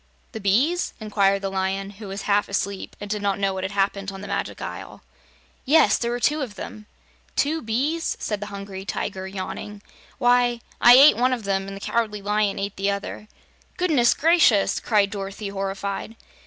"The bees?" inquired the Lion, who was half asleep and did not know what had happened on the Magic Isle. "Yes; there were two of them." "Two bees?" said the Hungry Tiger, yawning. "Why, I ate one of them and the Cowardly Lion ate the other." "Goodness gracious!" cried Dorothy horrified.